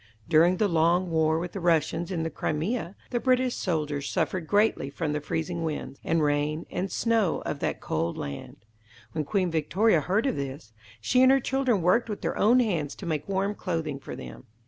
During the long war with the Russians in the Crimea, the British soldiers suffered greatly from the freezing winds, and rain, and snow, of that cold land. When Queen Victoria heard of this, she and her children worked with their own hands to make warm clothing for them.